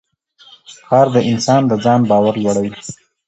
کار د انسان د ځان باور لوړوي